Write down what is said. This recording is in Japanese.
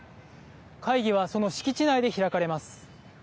会議はその敷地内で開かれます。